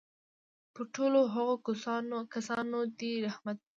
پر ټولو هغو کسانو دي رحمت وي.